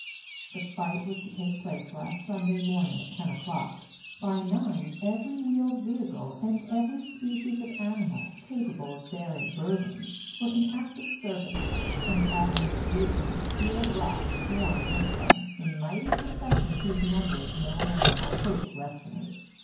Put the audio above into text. The fight was to take place on last Sunday morning at ten o'clock. By nine every wheeled vehicle and every species of animal capable of bearing burthens, were in active service, and the avenues leading to the Seal Rock swarmed with them in mighty processions whose numbers no man might hope to estimate.